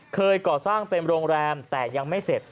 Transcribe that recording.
เคยก่อสร้างเป็นโรงแรมแต่ยังไม่เสร็จ